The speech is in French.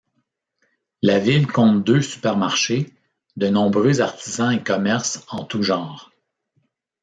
La ville compte deux supermarchés, de nombreux artisans et commerces en tous genres.